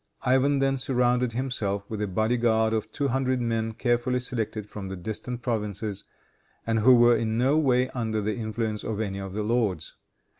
Ivan then surrounded himself with a body guard of two hundred men carefully selected from the distant provinces, and who were in no way under the influence of any of the lords.